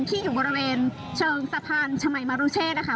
ที่อยู่บริเวณเชิงสะพานชมัยมรุเชษนะคะ